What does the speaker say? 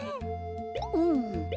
うん。